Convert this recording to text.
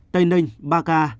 tây ninh ba ca